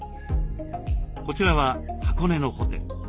こちらは箱根のホテル。